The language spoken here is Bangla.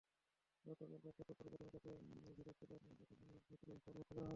গতকাল রোববার দুপুরে প্রথমে তাঁকে ঝিগাতলার জাপান-বাংলাদেশ মৈত্রী হাসপাতালে ভর্তি করা হয়।